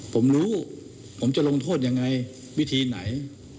ผมรู้ผมจะลงโทษยังไงวิธีไหน